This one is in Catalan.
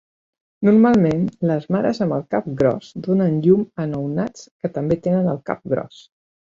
Normalment, les mares amb el cap gros donen llum a nounats que també tenen el cap gros.